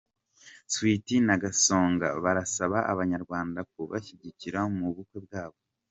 Sweety na Gasongo barasaba Abanyarwanda kubashyigikira mu bukwe bwabo .